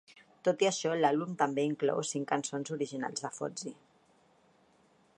Tot i això, l'àlbum també inclou cinc cançons originals de Fozzy.